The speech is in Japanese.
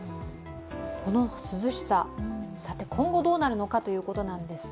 この涼しさ、今後どうなるのかということなんです。